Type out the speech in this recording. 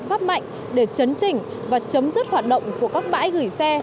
những biện pháp mạnh để chấn trình và chấm dứt hoạt động của các bãi gửi xe